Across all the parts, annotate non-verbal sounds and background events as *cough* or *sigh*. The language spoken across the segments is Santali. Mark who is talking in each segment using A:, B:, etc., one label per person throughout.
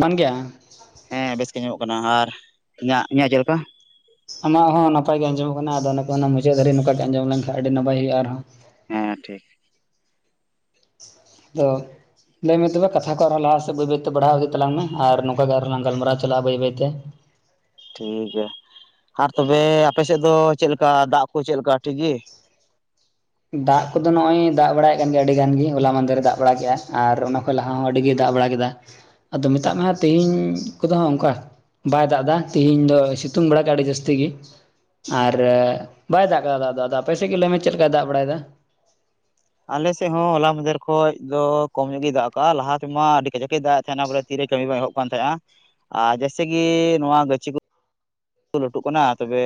A: ᱢᱟᱝ ᱜᱮᱭᱟ
B: ᱦᱮᱸ ᱵᱮᱥ ᱜᱮ ᱟᱸᱡᱚᱢᱚᱜ ᱠᱟᱱᱟ ᱟᱨ ᱤᱧᱟᱹᱜ ᱤᱧᱟᱹᱜ ᱪᱮᱫ ᱞᱮᱠᱟ
A: ᱟᱢᱟᱜ ᱦᱚᱸ ᱱᱟᱯᱟᱭ ᱜᱮ ᱟᱸᱡᱚᱢᱚᱜ ᱠᱟᱱᱟ ᱟᱫᱚ ᱚᱱᱟ ᱢᱩᱪᱟᱹᱫ ᱫᱷᱟᱹᱨᱤᱡ ᱱᱚᱝᱠᱟ ᱜᱮ ᱟᱸᱡᱚᱢ ᱞᱮᱱᱠᱷᱟᱱ ᱟᱹᱰᱤ ᱱᱟᱯᱟᱭ ᱦᱩᱭᱩᱜᱼᱟ ᱟᱨᱦᱚᱸ
B: ᱦᱮᱸ ᱴᱷᱤᱠ
A: ᱟᱫᱚ ᱞᱟᱹᱭᱢᱮ ᱛᱚᱵᱮ ᱠᱟᱛᱷᱟ ᱠᱚ ᱟᱨᱦᱚᱸ ᱞᱟᱦᱟ ᱥᱮᱫ ᱵᱟᱹᱭ ᱵᱟᱹᱭᱛᱮ ᱵᱟᱲᱦᱟᱣ ᱤᱫᱤ ᱛᱟᱞᱟᱝ ᱢᱮ ᱟᱨ ᱱᱚᱝᱠᱟ ᱜᱮ ᱟᱨᱦᱚᱸ ᱞᱟᱝ ᱜᱟᱞᱢᱟᱨᱟᱣ ᱪᱟᱞᱟᱜᱼᱟ ᱵᱟᱹᱭ ᱵᱟᱹᱭᱛᱮ
B: ᱴᱷᱤᱠ ᱜᱮᱭᱟ ᱟᱨ ᱛᱚᱵᱮ ᱟᱯᱮᱥᱮᱫ ᱫᱚ ᱪᱮᱫ ᱞᱮᱠᱟ ᱫᱟᱜ ᱠᱚ ᱪᱮᱫᱞᱮᱠᱟ ᱴᱷᱤᱠ ᱜᱮ?
A: ᱫᱟᱜ ᱠᱚᱫᱚ ᱱᱚᱜᱼᱚᱭ ᱫᱟᱜ ᱵᱟᱲᱟᱭᱮᱫ ᱠᱟᱱ ᱜᱮᱭᱟ ᱟᱹᱰᱤ ᱜᱟᱱ ᱜᱮ ᱦᱚᱞᱟ ᱢᱟᱦᱫᱮᱨ ᱫᱟᱜ ᱵᱟᱲᱟ ᱠᱮᱫᱼᱟ ᱟᱨ ᱚᱱᱟ ᱞᱟᱦᱟ ᱦᱚᱸ ᱟᱹᱰᱤ ᱜᱮ ᱫᱟᱜ ᱵᱟᱲᱟ ᱠᱮᱫᱟ ᱟᱫᱚ ᱢᱮᱛᱟᱜ ᱢᱮ ᱦᱟᱜ ᱛᱮᱦᱮᱧ ᱠᱚᱫᱚ ᱦᱟᱜ ᱚᱱᱠᱟ ᱵᱟᱭ ᱫᱟᱜ ᱮᱫᱟ ᱛᱮᱦᱤᱧ ᱫᱚ ᱥᱤᱛᱩᱝ ᱵᱮᱲᱟ ᱜᱮ ᱟᱹᱰᱤ ᱡᱟᱹᱥᱛᱤ ᱜᱮ ᱟᱨ ᱵᱟᱭ ᱫᱟᱜ ᱠᱟᱫᱟ ᱫᱟᱜ ᱫᱚ ᱟᱯᱮ ᱥᱮᱫ ᱜᱮ ᱞᱟᱹᱭ ᱢᱮ ᱪᱮᱫ ᱞᱮᱠᱟᱭ ᱫᱟᱜᱽ ᱵᱟᱲᱟᱭᱮᱫᱟ
B: ᱟᱞᱮᱥᱮᱫ ᱦᱚᱸ ᱦᱚᱞᱟ ᱢᱟᱫᱮᱨ ᱠᱷᱚᱡ ᱫᱚ ᱠᱚᱢ ᱧᱚᱜ ᱜᱮᱭ ᱫᱟᱜ ᱠᱟᱜᱼᱟ ᱞᱟᱦᱟᱛᱮᱢᱟ ᱟᱹᱰᱤ ᱠᱟᱡᱟᱠ ᱮᱭ ᱫᱟᱜ ᱮ ᱛᱟᱦᱮᱸᱱᱟ ᱵᱚᱞᱮ ᱛᱮ ᱠᱟᱹᱢᱤ ᱵᱟᱝ ᱮᱦᱚᱵ ᱠᱟᱱ ᱛᱟᱦᱮᱸᱱᱟ ᱟᱨ ᱡᱮᱭᱥᱮ ᱠᱤ ᱱᱚᱣᱟ ᱜᱟᱹᱪᱷᱤ ᱠᱚ ᱞᱟᱹᱴᱩᱜ ᱞᱟᱹᱴᱩ ᱠᱟᱱᱟ ᱛᱚᱵᱮ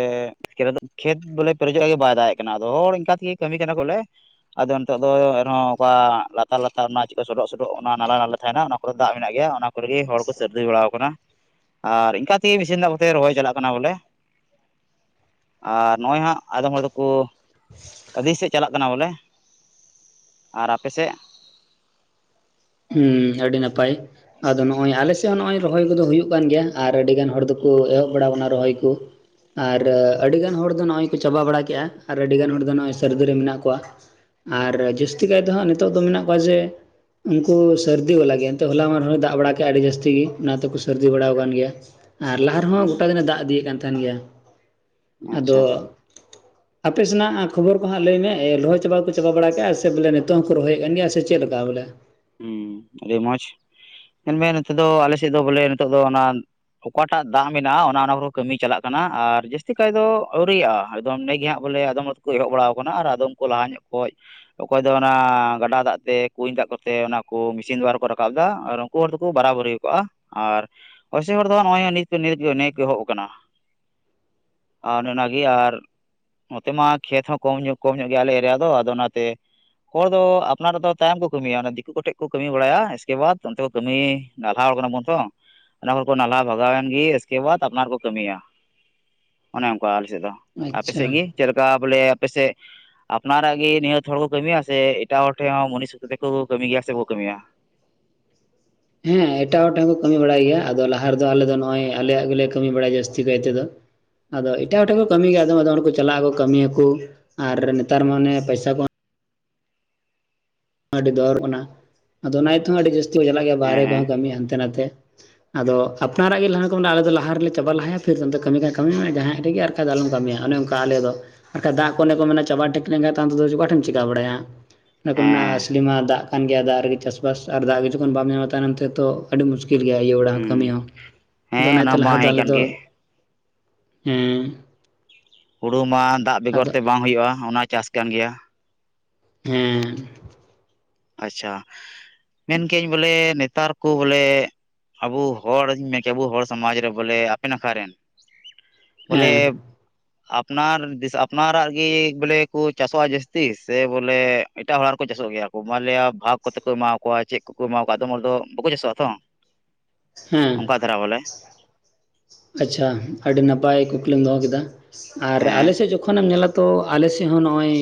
B: ᱠᱷᱮ ᱠᱷᱮᱛ ᱵᱚᱞᱮ ᱯᱮᱨᱮᱡᱚᱜᱼᱟ ᱜᱮ ᱵᱟᱭ ᱫᱟᱲᱭᱟᱜ ᱠᱟᱱᱟ ᱟᱫᱚ ᱦᱚᱲ ᱤᱱᱠᱟ ᱛᱮᱜᱮ ᱠᱟᱹᱢᱤ ᱠᱟᱱᱟ ᱵᱚᱞᱮ ᱟᱫᱚ ᱱᱤᱛᱚᱜ ᱫᱚ ᱮᱱᱦᱚᱸ ᱚᱱᱠᱟ ᱞᱟᱛᱟᱨ ᱞᱟᱛᱟᱨ ᱚᱱᱟ ᱪᱮᱠᱟ ᱥᱰᱚᱜ ᱥᱰᱚᱜ ᱚᱱᱟ ᱱᱟᱞᱟ ᱱᱟᱞᱟ ᱛᱟᱦᱮᱱᱟ ᱚᱱᱟ ᱠᱚᱫᱚ ᱫᱟᱜ ᱢᱮᱱᱟᱜ ᱜᱮᱭᱟ ᱚᱱᱟ ᱠᱚᱨᱮᱜᱮ ᱦᱚᱲ ᱠᱚ ᱥᱟᱹᱨᱫᱤ ᱵᱟᱲᱟᱟᱣ ᱟᱠᱟᱱᱟ ᱟᱨ ᱤᱱᱠᱟ ᱛᱮᱜᱮ ᱢᱤᱥᱤᱱ ᱫᱟᱜ ᱠᱚᱛᱮ ᱨᱚᱦᱚᱭ ᱪᱟᱞᱟᱜ ᱠᱟᱱᱟ ᱠᱟᱱᱟ ᱵᱚᱞᱮ ᱟᱨ ᱱᱚᱜᱼᱚᱭ ᱦᱟᱸᱜ ᱟᱫᱚᱢ ᱦᱚᱲ ᱫᱚᱠᱚ ᱟᱹᱫᱤ ᱥᱮᱫ ᱪᱟᱞᱟᱜ ᱠᱟᱱᱟ ᱵᱚᱞᱮ ᱟᱨ ᱟᱯᱮ ᱥᱮᱫ?
A: ᱦᱩᱸ ᱟᱹᱰᱤ ᱱᱟᱯᱟᱭ ᱟᱫᱚ ᱱᱚᱜᱚᱭ ᱟᱞᱮ ᱥᱮᱫ ᱦᱚᱸ ᱱᱚᱜ ᱨᱚᱦᱚᱭ ᱠᱚᱫᱚ ᱦᱩᱭᱩᱜ ᱠᱟᱱ ᱜᱮᱭᱟ ᱟᱨ ᱟᱹᱰᱤ ᱜᱟᱱ ᱦᱚᱲ ᱫᱚᱠᱚ ᱮᱦᱚᱵ ᱵᱟᱲᱟᱱᱟ ᱨᱚᱦᱚᱭ ᱠᱚ ᱟᱨ ᱟᱹᱰᱤᱜᱟᱱ ᱦᱚᱲ ᱫᱚ ᱱᱚᱜᱼᱚᱭ ᱠᱚ ᱪᱟᱵᱟ ᱵᱟᱲᱟ ᱠᱮᱫᱼᱟ ᱟᱨ ᱟᱹᱰᱤᱜᱟᱱ ᱦᱚᱲ ᱫᱚ ᱱᱚᱜᱼᱚᱭ ᱥᱟᱹᱨᱫᱤ ᱨᱮ ᱢᱮᱱᱟᱜ ᱠᱚᱣᱟᱹ ᱟᱨ ᱡᱟᱹᱥᱛᱤ ᱠᱟᱭ ᱫᱚ ᱦᱟᱸᱜ ᱱᱤᱛᱚᱜ ᱫᱚ ᱢᱮᱱᱟᱜ ᱠᱚᱣᱟ ᱡᱮ ᱩᱱᱠᱩ ᱥᱟᱹᱨᱫᱤ ᱵᱟᱞᱟ ᱜᱮ ᱮᱱᱛᱮ ᱦᱚᱞᱟ ᱢᱟ ᱱᱚᱜᱚᱭ ᱫᱟᱜ ᱵᱟᱲᱟ ᱠᱮᱫᱟ ᱟᱹᱰᱤ ᱡᱟᱹᱥᱛᱤ ᱜᱮ ᱚᱱᱟᱛᱮᱠᱚ ᱥᱟᱹᱨᱫᱤ ᱵᱟᱲᱟ ᱟᱠ ᱜᱮᱭᱟ ᱟᱨ ᱞᱟᱦᱟ ᱨᱮᱦᱚᱸ ᱜᱳᱴᱟ
B: ᱦᱩᱸ
A: ᱫᱤᱱᱮ ᱫᱟᱜ ᱤᱫᱤᱭᱮᱫ ᱛᱟᱦᱮᱱ ᱜᱮᱭᱟ ᱟᱫᱚ
B: ᱟᱪᱪᱷᱟ
A: ᱟᱯᱮ ᱥᱮᱱᱟᱜ ᱠᱷᱚᱵᱚᱨ ᱠᱚ ᱦᱟᱸᱜ ᱞᱟᱹᱭᱢᱮ ᱞᱚᱦᱚᱭ ᱪᱟᱵᱟ ᱠᱚ ᱪᱟᱵᱟ ᱵᱟᱲᱟ ᱠᱼᱟ ᱥᱮ ᱵᱚᱞᱮ ᱱᱤᱛᱚᱝ ᱦᱚᱸᱠᱚ ᱨᱚᱦᱚᱭᱮᱫ ᱠᱟᱱ ᱜᱮᱭᱟ ᱥᱮ ᱪᱮᱫᱮᱠᱟ ᱵᱚᱞᱮ?
B: ᱦᱮᱸ ᱟᱹᱰᱤ ᱢᱚᱸᱡᱽ ᱢᱮᱱᱢᱮ ᱱᱤᱛᱮ ᱫᱚ ᱟᱞᱮ ᱥᱮᱫ ᱫᱚ ᱵᱚᱞᱮ ᱱᱤᱛᱚᱜ ᱫᱚ ᱚᱱᱟ ᱚᱠᱟᱴᱟᱜ ᱫᱟᱜ ᱢᱮᱱᱟᱜᱼᱟ ᱚᱱᱟ ᱚᱱᱟ ᱠᱚ ᱠᱟᱹᱢᱤ ᱪᱟᱞᱟᱜ ᱠᱟᱱᱟ ᱟᱨ ᱡᱟᱹᱥᱛᱤ ᱠᱟᱭ ᱫᱚ ᱟᱹᱣᱨᱤᱭᱟᱜᱼᱟ ᱟᱫᱚᱢ ᱚᱸᱰᱮᱜ ᱜᱮ ᱦᱟᱸᱜ ᱵᱚᱞᱮ ᱟᱫᱚᱢ ᱠᱚ ᱮᱦᱚᱵ ᱵᱟᱲᱟᱣ ᱟᱠᱟᱱᱟ ᱟᱨ ᱟᱫᱚᱢ ᱠᱚ ᱞᱟᱦᱟ ᱧᱚᱜ ᱠᱷᱚᱱ ᱚᱠᱚᱭ ᱫᱚ ᱚᱱᱟ ᱜᱟᱰᱟ ᱫᱟᱜ ᱛᱮ ᱠᱩᱧ ᱫᱟᱜ ᱠᱚ ᱛᱮ ᱚᱱᱟ ᱠᱚ ᱢᱮᱥᱤᱱ ᱫᱩᱣᱟᱨ ᱠᱚ ᱨᱟᱠᱟᱵ ᱮᱫᱟ ᱟᱨ ᱩᱱᱠᱩ ᱦᱚᱲ ᱫᱚᱠᱚ ᱵᱟᱨᱟᱵᱟᱹᱨᱤ ᱠᱚᱜᱼᱟ ᱟᱨ ᱚᱭᱥᱮ ᱦᱚᱲ ᱫᱚ ᱱᱚᱜᱼᱚᱭ ᱱᱤᱛ ᱱᱤᱛ ᱱᱤᱭᱟᱹᱭᱮᱠ ᱮᱦᱚᱵ ᱟᱠᱟᱱᱟ ᱟᱨ ᱚᱱᱮ ᱚᱱᱟᱜᱮ ᱟᱨ ᱱᱚᱛᱮ ᱢᱟ ᱠᱷᱮᱛ ᱦᱚᱸ ᱠᱚᱢ ᱠᱚᱢ ᱧᱚᱜ ᱜᱮᱭᱟ ᱟᱞᱮ ᱮᱨᱤᱭᱟ ᱫᱚ ᱟᱫᱚ ᱚᱱᱟᱛᱮ ᱦᱚᱲ ᱫᱚ ᱟᱯᱱᱟᱨ ᱫᱚ ᱛᱟᱭᱚᱢ ᱠᱚ ᱠᱟᱹᱢᱤᱭᱟ ᱚᱱᱟ ᱫᱤᱠᱩ ᱠᱚᱴᱷᱮᱡ ᱠᱚ ᱠᱟᱹᱢᱤ ᱵᱟᱲᱟᱭᱟ ᱮᱥᱠᱮ ᱵᱟᱫᱽ ᱚᱱᱛᱮ ᱠᱚ ᱠᱟᱹᱢᱤ ᱱᱟᱞᱦᱟ ᱦᱚᱲ ᱠᱟᱱᱟ ᱵᱚᱱ ᱛᱚ ᱚᱱᱟ ᱦᱚᱲ ᱠᱚ ᱱᱟᱞᱦᱟ ᱵᱷᱟᱜᱟᱣᱮᱱ ᱜᱮ ᱮᱥᱠᱮ ᱵᱟᱫᱽ ᱟᱯᱱᱟᱨ ᱠᱚ ᱠᱟᱹᱢᱤᱭᱟ ᱚᱱᱮ ᱚᱱᱠᱟ ᱟᱞᱮᱥᱮᱫ ᱫᱚ ᱟᱯᱮ ᱥᱮᱫ
A: ᱟᱪᱪᱷᱟ
B: ᱜᱮ ᱪᱮᱫ ᱞᱮᱠᱟ ᱵᱚᱞᱮ ᱟᱯᱮ ᱥᱮᱫ ᱟᱯᱱᱟᱨᱟᱜ ᱜᱮ ᱱᱤᱭᱟᱹᱚᱛ ᱦᱚᱲ ᱠᱚ ᱠᱟᱹᱢᱤᱭᱟ ᱥᱮ ᱮᱴᱟᱜ ᱦᱚᱲ ᱴᱷᱮᱱ ᱦᱚᱸ ᱢᱩᱱᱤᱥ ᱦᱚᱲ ᱛᱮᱠᱚ ᱠᱟᱹᱢᱤ ᱜᱮᱭᱟ ᱥᱮᱠᱚ ᱵᱟᱠᱚ ᱠᱟᱹᱢᱤᱭᱟ?
A: ᱦᱮᱸ ᱮᱴᱟᱜ ᱦᱚᱲ ᱴᱷᱮᱱ ᱦᱚᱸᱠᱚ ᱠᱟᱹᱢᱤ ᱵᱟᱲᱟᱭ ᱜᱮᱭᱟ ᱟᱫᱚ ᱞᱟᱦᱟ ᱨᱮᱫᱚ ᱟᱞᱮ ᱱᱚᱜᱚᱭ ᱟᱞᱮᱭᱟᱜ ᱜᱮᱞᱮ ᱠᱟᱹᱢᱤ ᱵᱟᱲᱟᱭᱟ ᱡᱟᱹᱥᱛᱤ ᱠᱟᱭ ᱛᱮᱫᱚ ᱟᱫᱚ ᱮᱴᱟᱜ ᱦᱚᱲᱴᱷᱮᱱ ᱠᱚ ᱠᱟᱹᱢ ᱜᱮᱭᱟ ᱟᱫᱚᱢ ᱟᱫᱚᱢ ᱦᱚᱲ ᱠᱚ ᱪᱟᱞᱟᱜ ᱟᱠᱚ ᱠᱟᱹᱢᱤᱭᱟᱠᱩ ᱟᱨ ᱱᱮᱛᱟᱨ ᱢᱟᱱᱮ ᱯᱚᱭᱥᱟ ᱠᱚ ᱟᱹᱰᱤ ᱫᱚᱚᱨᱚᱜ ᱠᱟᱱᱟ ᱟᱫᱚ ᱚᱱᱟ ᱛᱮᱦᱚᱸ ᱟᱹᱰᱤ ᱡᱟᱹᱥᱛᱤ ᱠᱚ ᱪᱟᱞᱟᱜ ᱜᱮᱭᱟ
B: ᱦᱮᱸ
A: ᱵᱟᱦᱨᱮ
B: ᱦᱮᱸ
A: ᱠᱚᱦᱚᱸ ᱠᱟᱹᱢᱤ ᱦᱟᱱᱛᱮ ᱱᱟᱛᱮ ᱟᱫᱚ ᱟᱯᱱᱟᱨᱟᱜ ᱜᱮ ᱞᱟᱦᱟ ᱠᱚ ᱟᱞᱮ ᱞᱟᱦᱟ ᱨᱮᱞᱮ ᱪᱟᱵᱟ ᱞᱟᱦᱟᱭᱟ ᱯᱷᱤᱨ ᱠᱟᱹᱢᱤ ᱠᱟᱱᱟ ᱠᱟᱹᱢᱤ ᱢᱮ ᱡᱟᱦᱟᱸᱭ ᱨᱮᱜᱮ ᱵᱟᱱ ᱠᱷᱟᱡ ᱫᱚ ᱟᱞᱚᱢ ᱠᱟᱹᱢᱤᱭᱟ ᱚᱱᱮ ᱚᱱᱠᱟ ᱟᱞᱮ ᱫᱚ ᱵᱟᱱ ᱫᱟᱜ ᱚᱱᱮ ᱠᱚ ᱢᱮᱱᱟ ᱪᱟᱵᱟ ᱴᱷᱤᱠ ᱞᱮᱱᱠᱟᱱ ᱛᱚ ᱚᱠᱟᱴᱷ ᱮᱢ ᱪᱤᱠᱠᱟ ᱵᱟᱲᱟᱭᱟ ᱚᱱᱟᱼᱼ
B: ᱦᱮᱸ
A: ᱢᱚᱥᱞᱤᱢᱟ ᱫᱟᱜ ᱠᱟᱱ ᱜᱮᱭᱟ ᱫᱟᱜ ᱨᱮᱜᱮ ᱪᱟᱥᱵᱟᱥ ᱟᱨ ᱫᱟᱜ ᱜᱮ ᱡᱚᱠᱷᱚᱱ ᱵᱟᱢ ᱧᱟᱢᱟ ᱛᱟᱭᱱᱚᱢ ᱛᱮ ᱛᱚ ᱟᱹᱰᱤ ᱢᱩᱥᱼᱼ ᱠᱤᱞ ᱜᱮᱭᱟ ᱟᱭᱩ ᱵᱟᱲᱟᱜ
B: ᱦᱩᱸ
A: ᱠᱟᱹᱢᱤ ᱦᱚᱸ ᱟᱫᱚ
B: ᱦᱮᱸ ᱚᱱᱟ
A: ᱚᱱᱟᱛᱮ
B: ᱢᱟ
A: ᱞᱟᱦᱟ ᱫᱚ
B: ᱦᱮᱸ
A: ᱟᱞᱮ
B: ᱠᱟᱱ
A: ᱫᱚᱼᱼ
B: ᱜᱮ
A: ᱦᱮᱸ ᱾
B: ᱦᱩᱲᱩ ᱢᱟ ᱫᱟᱜ ᱵᱮᱜᱚᱨ ᱛᱮ ᱵᱟᱝ ᱦᱩᱭᱩᱜᱼᱟ ᱚᱱᱟ ᱪᱟᱥ ᱠᱟᱱ ᱜᱮᱭᱟ ᱾
A: ᱦᱮᱸᱻ
B: ᱟᱪᱷᱟ ᱢᱮᱱᱠᱧ ᱵᱚᱞᱮ ᱱᱮᱛᱟᱨ ᱠᱚ ᱵᱚᱞᱮᱼᱼ ᱟᱵᱚ ᱦᱚᱲᱧ ᱢᱮᱱ ᱠᱮ ᱟᱵᱚ ᱦᱚᱲ ᱥᱚᱢᱟᱡᱽ ᱨᱮ ᱵᱚᱞᱮ ᱟᱯᱮ ᱱᱟᱠᱷᱟ ᱨᱮᱱ
A: ᱦᱮᱸ
B: ᱵᱚᱞᱮ ᱟᱯᱱᱟᱨ ᱟᱯᱱᱟᱨᱟᱜ ᱜᱮᱤ ᱵᱚᱞᱮ ᱠᱚ ᱪᱟᱥᱚᱜᱼᱟ ᱡᱟᱹᱥᱛᱤ ᱥᱮ ᱵᱚᱞᱮ ᱮᱴᱟᱜ ᱦᱚᱲᱟᱜ ᱨᱮᱠᱚ ᱪᱟᱥᱚᱜ ᱜᱮᱭᱟ ᱾ ᱠᱚ ᱢᱟᱞᱮᱭᱟ ᱵᱷᱟᱜᱽ ᱠᱚᱛᱮ ᱠᱚ ᱮᱢᱟ ᱠᱚᱣᱟ ᱪᱮᱫ ᱠᱚᱠᱚ ᱮᱢᱟ ᱠᱚᱣᱟ ᱟᱫᱚᱢ ᱦᱚᱲ ᱫᱚ ᱵᱟᱠᱚ ᱪᱟᱥᱚᱜᱼᱟ ᱛᱚ᱾
A: ᱦᱮᱸ
B: ᱚᱱᱠᱟ ᱫᱷᱟᱨᱟ ᱵᱚᱞᱮ,
A: ᱟᱪᱪᱷᱟ ᱟᱹᱰᱤ ᱱᱟᱯᱟᱭ ᱠᱩᱠᱞᱤᱢ ᱫᱚᱦᱚ ᱠᱮᱫᱟ, ᱟᱨ
B: ᱦᱮᱸ
A: ᱟᱞᱮᱥᱮᱫ ᱡᱚᱠᱷᱚᱱᱮᱢ ᱧᱮᱞᱟᱼᱼ ᱛᱚ ᱟᱞᱮ ᱥᱮᱫ ᱦᱚᱸ ᱱᱚᱜᱼᱚᱭ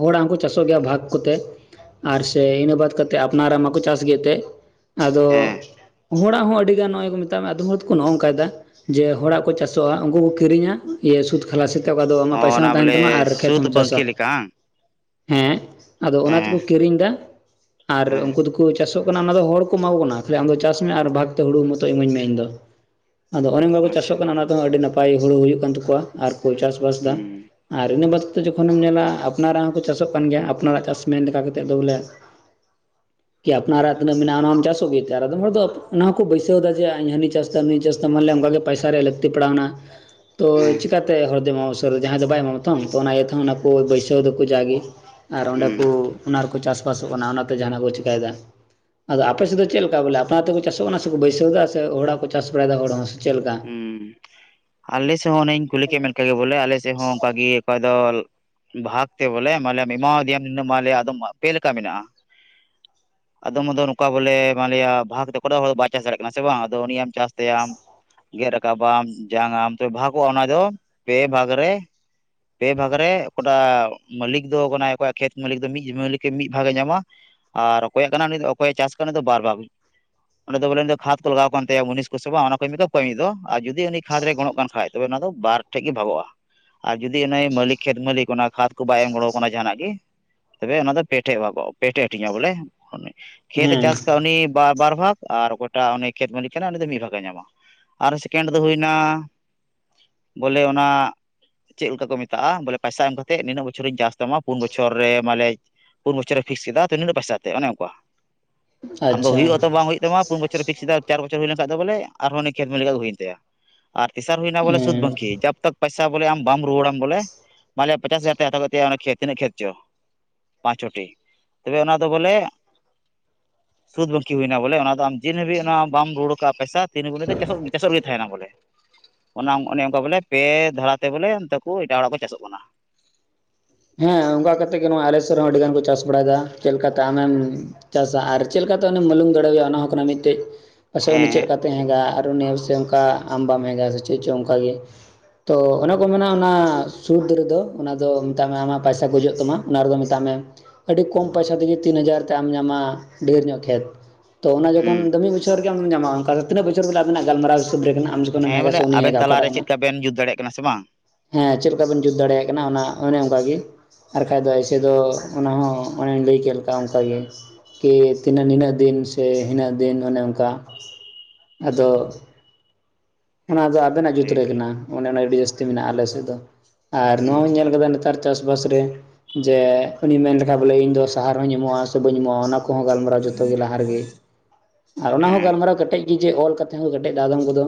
A: ᱦᱚᱲᱟᱜ ᱦᱚᱸ ᱠᱚ ᱪᱟᱥᱚᱜ ᱜᱮᱭᱟ ᱵᱷᱟᱜᱽ ᱠᱚᱛᱮ ᱾ ᱟᱨ ᱥᱮ ᱤᱱᱟᱹ ᱵᱟᱫ ᱠᱟᱛᱮᱫ ᱟᱯᱱᱟᱨᱟᱜ ᱢᱟᱠᱚ ᱪᱟᱥ ᱜᱮ ᱛᱮ
B: ᱦᱮᱸ
A: ᱟᱫᱚ ᱦᱚᱲᱟᱜ ᱦᱚᱸ ᱟᱹᱰᱤ ᱜᱟᱱ ᱱᱚᱜᱼᱚᱭ ᱠᱚ ᱢᱮᱛᱟᱜ ᱢᱮ ᱟᱫᱚᱢ ᱦᱚᱲ ᱫᱚᱠᱚ ᱱᱚᱜᱼᱚᱭ ᱱᱚᱝᱠᱟᱭᱫᱟ, ᱡᱮ ᱦᱚᱲᱟᱜ ᱠᱚ ᱪᱟᱥᱚᱜᱼᱟ ᱩᱱᱠᱩ ᱠᱚ ᱠᱤᱨᱤᱧᱟ ᱼᱼ ᱤᱭᱟᱹ ᱥᱩᱫ ᱠᱷᱞᱟᱥᱮᱫ ᱛᱮ ᱚᱠᱟ ᱫᱚ
B: ᱚ
A: ᱟᱢᱟᱜ ᱯᱟᱭᱥᱟ
B: ᱚᱱᱟ
A: ᱦᱚᱸ ᱛᱟᱦᱮᱱ
B: ᱵᱚᱞᱮ
A: ᱛᱟᱢᱟ ᱟᱨ ᱠᱷᱮᱛ
B: ᱥᱩᱫ
A: ᱦᱚᱸᱢ ᱪᱟᱥᱟ
B: ᱵᱟᱝᱠᱤ ᱞᱮᱠᱟ ᱵᱟᱝ
A: ᱾ ᱦᱮᱸ ᱟᱫᱚ ᱚᱱᱟ
B: ᱦᱮᱸ
A: ᱛᱮᱠᱚ ᱠᱤᱨᱤᱧ ᱫᱟ ᱟᱨ
B: ᱦᱮᱸ
A: ᱩᱱᱠᱩ ᱫᱚᱠᱚᱼᱼ ᱪᱟᱥᱚᱜ ᱠᱟᱱᱟ ᱚᱱᱟ ᱫᱚ ᱦᱚᱲ ᱠᱚ ᱮᱢᱟ ᱠᱚ ᱠᱟᱱᱟ ᱛᱟᱦᱚᱞᱮ ᱟᱢᱫᱚ ᱪᱟᱥ ᱢᱮ ᱟᱨ ᱵᱷᱟᱜᱽ ᱛᱮ ᱦᱩᱲᱩ ᱢᱚᱛᱚ ᱤᱢᱟᱹᱧ ᱢᱮ ᱤᱧ ᱫᱚ ᱾ ᱟᱫᱚ ᱚᱱᱮ ᱱᱚᱝᱠᱟ ᱠᱚ
B: ᱟᱪᱪᱷᱟ
A: ᱪᱟᱥᱚᱜ ᱠᱟᱱᱟ ᱚᱱᱟ ᱛᱮᱦᱚᱸ ᱟᱹᱰᱤ ᱱᱟᱯᱟᱭ ᱦᱩᱲᱩ ᱦᱩᱭᱩᱜ ᱠᱟᱱ ᱛᱟᱠᱚᱣᱟ ᱟᱨ ᱠᱚ ᱪᱟᱥᱵᱟᱥ ᱫᱟ
B: ᱦᱩᱸ
A: ᱾ ᱟᱨ ᱤᱱᱟᱹ ᱵᱟᱫ ᱠᱟᱛᱮᱫ ᱡᱚᱠᱷᱚᱱᱮᱢ ᱧᱮᱞᱟ ᱟᱯᱱᱟᱨᱟᱜ ᱦᱚᱸᱠᱚ ᱪᱟᱥᱚᱜ ᱠᱟᱱ ᱜᱮᱭᱟ ᱟᱯᱱᱟᱨᱟᱜ ᱪᱟᱥ ᱢᱮᱱ ᱞᱮᱠᱟ ᱠᱟᱛᱮᱫ ᱫᱚ ᱵᱚᱞᱮ ᱼᱼ ᱠᱤ ᱟᱯᱱᱟᱨᱟᱜ ᱛᱱᱟᱹᱜ ᱢᱮᱱᱟᱜᱼᱟ ᱚᱱᱟ ᱢᱟᱢ ᱪᱟᱥᱚᱜ ᱜᱮ ᱟᱨ ᱟᱫᱚᱢ ᱦᱚᱲᱫᱚ ᱚᱱᱟ ᱦᱚᱸᱠᱚ ᱵᱟᱹᱭᱥᱟᱹᱣ ᱫᱟ ᱡᱮ ᱦᱟᱸᱱᱤ ᱪᱟᱥ ᱫᱟ ᱱᱩᱭ ᱪᱟᱥᱼᱼ ᱥᱮ ᱢᱟᱱᱞᱤᱭᱟ ᱚᱱᱠᱟᱜᱮ ᱯᱟᱭᱥᱟ ᱨᱮᱭᱟᱜ ᱞᱟᱹᱠᱛᱤ ᱯᱟᱲᱟᱣᱱᱟ ᱛᱚ
B: ᱦᱮᱸ
A: ᱪᱤᱠᱟᱛᱮ ᱦᱚᱲᱼᱼ ᱡᱮᱢᱚ ᱡᱟᱦᱟᱸᱭ ᱫᱚ ᱵᱟᱭ ᱮᱢᱟᱢᱟ ᱛᱚ ᱛᱚ ᱚᱱᱟ ᱤᱭᱟᱹ ᱛᱮᱦᱚᱸ ᱚᱱᱟ ᱠᱚ ᱵᱟᱹᱭᱥᱟᱹᱣ ᱫᱟᱠᱚ ᱡᱟᱜᱮ, ᱟᱨ ᱚᱸᱰᱮ
B: ᱦᱩᱸ
A: ᱠᱚ ᱚᱱᱟ ᱨᱮᱠᱚ ᱪᱟᱥᱵᱟᱥᱚᱜ ᱠᱟᱱᱟ ᱚᱱᱟᱛᱮ ᱡᱟᱦᱟᱱᱟᱜ ᱠᱚ ᱪᱤᱠᱟᱭᱮᱫᱟ ᱾ ᱟᱫᱚ ᱟᱯᱮ ᱥᱮᱫ ᱫᱚ ᱪᱮᱫᱮ ᱞᱮᱠᱟ ᱵᱚᱞᱮ ᱟᱯᱱᱟ ᱛᱮᱠᱚ ᱪᱟᱥᱚᱜ ᱠᱟᱱᱟ, ᱥᱮᱠᱚ ᱵᱟᱹᱭᱥᱟᱹᱣ ᱫᱟ ᱥᱮ ᱦᱚᱲᱟᱜ ᱠᱚ ᱪᱟᱥ ᱵᱟᱲᱟᱭᱮᱫᱟ ᱦᱚᱲ ᱦᱚᱸ ᱥᱮ ᱪᱮᱫ ᱞᱮᱠᱟ?
B: ᱦᱸ ᱦᱸ ᱟᱞᱮ ᱥᱮᱫ ᱦᱚᱸ ᱚᱱᱮᱧ ᱠᱩᱞᱤ ᱠᱮᱫ ᱢᱮ ᱞᱮᱠᱟ ᱜᱮ ᱵᱚᱞᱮ ᱟᱞᱮ ᱥᱮᱫ ᱦᱚᱸ ᱚᱱᱠᱟᱜᱮ ᱚᱠᱚᱭ ᱫᱚᱼᱼ ᱵᱷᱟᱜ ᱛᱮ ᱵᱚᱞᱮ ᱢᱟᱞᱮᱭᱟ ᱮᱢᱟᱭ ᱫᱮᱭᱟ ᱢᱤᱫ ᱫᱚᱢ ᱟᱫᱚᱢ ᱯᱮ ᱞᱮᱠᱟ ᱢᱮᱱᱟᱜᱼᱟ ᱾ ᱟᱫᱚᱢ ᱦᱫᱚ ᱱᱚᱝᱠᱟ ᱵᱚᱞᱮ ᱢᱟᱱᱞᱤᱭᱟ ᱵᱷᱟᱜᱽ ᱛᱮ ᱠᱚ ᱦᱚᱲᱩ ᱵᱟᱭ ᱪᱟᱥ ᱫᱟᱲᱮᱭᱟᱜ ᱠᱟᱱᱟ ᱥᱮ ᱵᱟᱝ ᱟᱫᱚ ᱩᱱᱤᱭᱟᱜ ᱪᱟᱥ ᱛᱟᱭᱟᱢ ᱜᱮᱫ ᱨᱟᱠᱟᱵᱟᱢ ᱡᱟᱝᱟᱢ ᱛᱚ ᱵᱷᱟᱜᱽᱚᱜᱼᱟ ᱚᱱᱟ ᱫᱚ ᱯᱮ ᱵᱷᱟᱜᱽ ᱨᱮᱼᱼ ᱯᱮ ᱵᱷᱟᱜ ᱨᱮ *unintelligible* ᱢᱟᱹᱞᱤᱠ ᱫᱚ ᱠᱟᱱᱟᱭ ᱚᱠᱚᱭᱟᱜ ᱠᱷᱮᱛ ᱢᱟᱹᱞᱤᱠ ᱫᱚ ᱢᱤᱫ ᱢᱤᱫ ᱵᱷᱟᱜᱽ ᱮ ᱧᱟᱢᱟ᱾ ᱟᱨ ᱚᱠᱚᱭᱟᱜ ᱠᱟᱱᱟ ᱚᱠᱚᱭ ᱮ ᱪᱟᱥ ᱠᱟᱱᱟ ᱩᱱᱤ ᱫᱚ ᱵᱟᱨ ᱵᱷᱟᱜ ᱚᱸᱰᱮ ᱫᱚ ᱵᱚᱞᱮ ᱞᱮ ᱠᱷᱟᱫ ᱠᱚ ᱞᱟᱜᱟᱣ ᱠᱟᱱ ᱛᱟᱭᱟ ᱢᱩᱱᱤᱥ ᱠᱚ ᱥᱚᱵᱟᱼᱟ ᱚᱱᱟ ᱠᱚ ᱮᱢᱱᱤ ᱛᱚ ᱯᱟᱭᱤ ᱫᱚ ᱟᱨ ᱡᱩᱫᱤ ᱩᱱᱤ ᱠᱷᱟᱫᱽ ᱨᱮ ᱜᱚᱱᱚᱜ ᱠᱟᱱ ᱠᱷᱟᱡ ᱛᱚᱵᱮ ᱚᱱᱟ ᱫᱚ ᱵᱟᱨ ᱴᱷᱮᱡ ᱜᱮ ᱵᱷᱟᱜᱚᱜᱼᱟ ᱾ ᱟᱨ ᱡᱩᱫᱤ ᱚᱱᱮ ᱢᱟᱹᱞᱤᱠ ᱠᱷᱮᱛ ᱢᱟᱹᱞᱤᱠ ᱚᱱᱟ ᱠᱷᱟᱛ ᱠᱚ ᱵᱟᱭ ᱮᱢ ᱜᱚᱲᱚ ᱟᱠᱟᱱᱟ ᱡᱟᱸᱦᱟᱱᱟᱜ ᱜᱤ ᱼᱼ ᱛᱚᱵᱮ ᱚᱱᱟ ᱫᱚ ᱯᱮ ᱴᱷᱮᱡ ᱵᱷᱟᱠᱚᱜᱼᱟ ᱯᱮ ᱴᱷᱮᱡ ᱦᱟᱹᱴᱤᱧᱚᱼᱟ ᱵᱚᱞᱮ, ᱠᱷᱮᱛᱮ
A: ᱦᱮᱸ
B: ᱪᱟᱥ ᱠᱟᱜ ᱩᱱᱤ ᱵᱟ ᱵᱟᱨ ᱵᱷᱟᱜᱽ ᱟᱨ ᱚᱠᱚᱭᱴᱟᱜ ᱩᱱᱤ ᱠᱷᱮᱛ ᱢᱟᱹᱞᱤᱠ ᱠᱟᱱᱟᱭ ᱩᱱᱤ ᱫᱚ ᱢᱤᱫ ᱵᱷᱟᱜᱽ ᱮ ᱧᱟᱢᱟ ᱾ ᱟᱨ ᱥᱮᱠᱮᱱᱰ ᱫᱚ ᱦᱩᱭᱱᱟ ᱵᱚᱞᱮ ᱚᱱᱟᱼᱼ ᱪᱮᱫ ᱞᱮᱠᱟ ᱠᱚ ᱢᱮᱛᱟᱜᱼᱟ ᱵᱚᱞᱮ ᱯᱟᱭᱥᱟ ᱮᱢ ᱠᱟᱛᱮ ᱱᱤᱱᱟᱹᱜ ᱵᱚᱪᱷᱚᱨᱤᱧ ᱪᱟᱥ ᱛᱟᱢᱟ ᱯᱩᱱ ᱵᱚᱪᱷᱚᱨ ᱨᱮ ᱢᱟᱱᱮᱼᱼ ᱯᱩᱱ ᱵᱚᱪᱷᱚᱨᱮ ᱯᱷᱤᱠ ᱠᱮᱫᱟ *unintelligible* ᱯᱚᱭᱥᱟ ᱛᱮ, ᱚᱱᱮ ᱚᱝᱠᱟ᱾ ᱟᱢᱫᱚ
A: ᱟᱪᱪᱷᱟ
B: ᱦᱩᱭᱩᱜᱼᱟᱛᱚ ᱵᱟᱝ ᱦᱩᱭᱩᱜ ᱛᱟᱢᱟ ᱯᱩᱱ ᱵᱚᱪᱷᱚᱨ ᱯ ᱯᱷᱤᱠᱥ ᱮᱟ ᱪᱟᱨ ᱵᱚᱪᱷᱚᱨ ᱦᱩᱭ ᱞᱮᱱᱠᱷᱟᱱ ᱫᱚ ᱵᱚᱞᱮ ᱟᱨᱦᱚᱸ ᱩᱱᱤ ᱠᱷᱮᱛ ᱢᱮᱞ ᱫᱚ ᱦᱩᱭᱮᱱ ᱛᱟᱭᱟ ᱟᱨ ᱛᱮᱥᱟᱨ ᱦᱩᱭᱱᱟ ᱵᱚᱞᱮ ᱥᱩᱫᱽ
A: ᱦᱮᱸ
B: ᱵᱟᱝᱠᱷᱤ ᱡᱟ ᱠ ᱯᱚᱭᱥᱟᱚᱞᱮᱢ ᱵᱟᱢ ᱨᱩᱣᱟᱹᱲᱟᱢ ᱵᱚᱞᱮ ᱢᱟᱱᱞᱮᱭᱟ ᱯᱚᱪᱟᱥ ᱦᱟᱡᱟᱨᱭ ᱦᱟᱛᱟᱣ ᱠᱮᱫ ᱛᱟᱭᱟ ᱚᱱᱟ ᱛᱤᱱᱟᱹᱜ ᱠᱷᱮᱛ ᱪᱚ ᱯᱟᱸᱪᱚᱴᱤ ᱛᱚᱵᱮ ᱚᱱᱟ ᱫᱚ ᱵᱚᱞᱮ ᱥᱩᱫ ᱵᱟᱟᱹᱠᱤ ᱦᱩᱭᱱᱟ ᱵᱚᱞᱮ ᱚᱱᱟ ᱫᱚ ᱟᱢ ᱡᱤᱱ ᱦᱟᱹᱵᱤᱡ ᱚᱱᱟ ᱵᱟᱢ ᱨᱩᱣᱟᱹᱲ ᱠᱟᱜᱼᱟ ᱯᱚᱭᱥᱟ ᱛᱤᱱᱹ ᱜ ᱪᱟᱥ ᱪᱟᱥᱚᱜ ᱜᱮ ᱛᱟᱦᱮᱱᱟ ᱵᱚᱞᱮ ᱚᱱᱟ ᱚᱱᱮ ᱚᱱᱠᱟ ᱵᱚᱞᱮ ᱯᱮ ᱫᱷᱟᱨᱟᱛᱮ ᱵᱚᱞᱮ ᱚᱱᱛᱮ ᱠᱚ ᱮᱴᱟᱜ ᱦᱚᱲᱟᱜ ᱠᱚ ᱪᱟᱥᱚᱜ ᱠᱟᱱᱟ
A: ᱦᱮᱸ ᱚᱱᱠᱟ ᱠᱟᱛᱮᱜ ᱜᱮ ᱱᱚᱣᱟ ᱟᱲᱮᱥᱮᱫ ᱨᱮᱦᱚᱸ ᱟᱹᱰᱤ ᱜᱟᱱ ᱠᱚ ᱪᱟᱥ ᱵᱟᱲᱟᱭᱮᱫᱟ ᱪᱮᱫ ᱞᱮᱠᱟᱛᱮ ᱟᱢᱮᱢ ᱪᱟᱥᱟ ᱟᱨ ᱪᱮᱫ ᱞᱮᱠᱟᱛᱮ ᱩᱱᱤᱢ ᱵᱞᱩᱝ ᱫᱟᱲᱮᱣᱭᱟ ᱚᱱᱟ ᱦᱚᱸ ᱠᱟᱱᱟ ᱢᱤᱫᱴᱮᱡ ᱯᱟ ᱩᱱᱤ ᱪᱮᱫ
B: ᱦᱮᱸ
A: ᱞᱮᱠᱟᱛᱮ ᱦᱮᱼᱟ ᱟᱨ ᱱᱤᱭᱟᱹ ᱥᱮ ᱚᱱᱠᱟ ᱟᱢ ᱵᱟᱢ ᱦᱮᱮᱜᱼᱟ ᱥᱮ ᱪᱮᱫ ᱪᱚᱝ ᱚᱱᱠᱟᱟᱜ ᱜᱮ ᱛᱚ ᱚᱱᱮ ᱠᱚ ᱢᱮ ᱚᱱᱟ ᱥᱩᱨᱫ ᱨᱮᱫᱚ ᱚᱱᱟ ᱫᱚ ᱢᱮᱛᱟᱜ ᱢᱮ ᱟᱢᱟᱜ ᱯᱟᱭᱥᱟ ᱜᱩᱡᱩᱜ ᱛᱟᱢᱟ ᱚᱱᱟ ᱨᱮᱫᱚ ᱢᱮᱛᱟᱜ ᱢᱮᱼᱼ ᱟᱹᱰᱤ ᱠᱚᱢ ᱯᱚᱭᱥᱟ ᱛᱮᱜᱮ ᱛᱤᱱ ᱦᱟᱡᱟᱨ ᱛᱮ ᱟᱢ ᱧᱟᱢᱟ ᱰᱷᱮᱨ ᱧᱚᱜ ᱠᱷᱮᱛ᱾ ᱛᱚ ᱚᱱᱟ
B: ᱦᱩᱸ
A: ᱡᱚᱠᱷᱚᱱ ᱫᱚ ᱢᱤᱫ ᱵᱚᱪᱷᱚᱨ ᱜᱮ ᱟᱢ ᱫᱚᱢ ᱧᱟᱢᱟ ᱚᱱᱠᱟ ᱫᱚ ᱛᱤᱱᱟᱹᱜ ᱵᱚᱪᱷᱚᱨ ᱵᱚᱞᱮ ᱟᱵᱮᱱᱟᱜ ᱜᱟᱞᱢᱟᱨᱟᱣ ᱦᱤᱥᱟᱹᱵ ᱨᱮ ᱢᱮᱱᱟᱜ-ᱟ
B: ᱦᱮᱸ ᱵᱚᱞᱮ ᱟᱵᱮᱱ ᱛᱟᱞᱟᱨᱮ ᱪᱮᱫ ᱞᱮᱠᱟ ᱵᱮᱱ ᱡᱩᱛ ᱫᱟᱲᱮᱭᱟᱜ ᱠᱟᱱᱟ ᱥᱮ ᱵᱟᱝ?
A: ᱦᱮᱸ ᱪᱮᱫ ᱞᱮᱠᱟ ᱵᱤᱱ ᱡᱩᱛ ᱫᱟᱲᱮᱭᱟᱜ ᱠᱟᱱᱟ ᱚᱱᱮ ᱚᱱᱠᱟ ᱜᱮ᱾ ᱟᱨ ᱠᱷᱟᱡ ᱫᱚ ᱮᱭᱥᱮ ᱫᱚ, ᱚᱱᱟ ᱦᱚᱸ ᱚᱱᱮᱧ ᱞᱟᱹᱭ ᱠᱮᱫ ᱞᱮᱠᱟᱜᱮ ᱚᱱᱠᱟᱜᱮ ᱠᱤ ᱛᱤᱱᱟᱹᱜ ᱱᱤᱱᱟᱹᱜ ᱫᱤᱱ ᱥᱮ ᱤᱱᱟᱹᱜ ᱫᱤᱱ ᱚᱱᱮ ᱚᱱᱠᱟ ᱟᱫᱚ ᱚᱱᱟ ᱫᱚ ᱟᱵᱮᱱᱟᱜ ᱡᱩᱛ ᱨᱮ
B: ᱴᱷᱤᱠ
A: ᱠᱟᱱᱟ᱾ ᱚᱱᱮ ᱚᱱᱟ ᱟᱹᱰᱤ ᱡᱟᱹᱥᱛᱤ ᱢᱮᱱᱟᱜᱼᱟ ᱟᱞᱮᱥᱮᱫ ᱫᱚ ᱟᱨ ᱱᱚᱣᱟ
B: ᱦᱩᱸ
A: ᱦᱚᱸᱧ ᱧᱮᱞ ᱟᱠᱟᱫᱟ ᱱᱮᱛᱟᱨ- ᱪᱟᱥᱵᱟᱥ ᱨᱮ ᱡᱮ ᱩᱱᱤ ᱢᱮᱱ ᱞᱮᱠᱷᱟᱡ ᱵᱚᱞᱮ ᱤᱧ ᱫᱚ ᱥᱟᱦᱟᱨ ᱦᱚᱸᱧ ᱮᱢᱚᱜᱼᱟ ᱥᱮ ᱵᱟᱹᱧ ᱮᱢᱚᱜᱼᱟ ᱠᱚᱦᱚᱸ ᱜᱟᱞᱢᱟᱨᱟᱣᱟ ᱡᱚᱛᱚ ᱜᱮ ᱞᱟᱦᱟ ᱨᱮᱜᱮ ᱟᱨ ᱚᱱᱟ ᱦᱚᱸ
B: ᱦᱮᱸ
A: ᱜᱟᱞᱢᱟᱨᱟᱣ ᱠᱟᱹᱴᱮᱡ ᱜᱮ ᱡᱮ ᱚᱞ ᱠᱟᱛᱮ ᱦᱚᱸ ᱠᱟᱹᱴᱮᱡ ᱫᱟᱫᱚᱢ ᱠᱚᱫᱚ